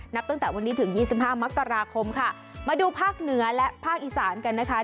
นับตั้งแต่วันนี้ถึง๒๕มกราคมค่ะมาดูภาคเหนือและภาคอีสานกันนะคะ